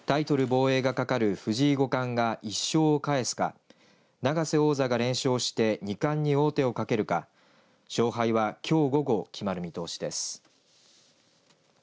防衛がかかる藤井五冠が１勝を返すか永瀬王座が連勝して二冠に王手をかけるか勝敗はきょう午後決まる見通しです。